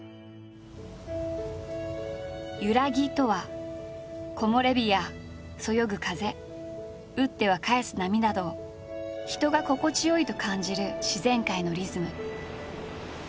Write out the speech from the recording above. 「ゆらぎ」とは木漏れ日やそよぐ風打っては返す波など人が心地よいと感じる自然界のリズム。